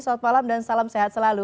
selamat malam dan salam sehat selalu